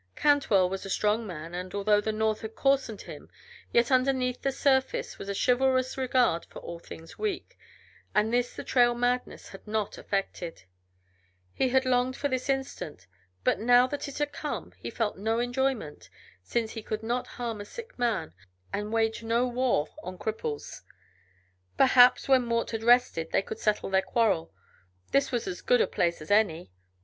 Cantwell was a strong man, and, although the North had coarsened him, yet underneath the surface was a chivalrous regard for all things weak, and this the trail madness had not affected. He had longed for this instant, but now that it had come he felt no enjoyment, since he could not harm a sick man and waged no war on cripples. Perhaps, when Mort had rested, they could settle their quarrel; this was as good a place as any.